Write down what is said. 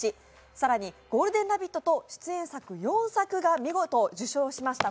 更に「ゴールデンラヴィット！」と出演作４作が見事、受賞をしました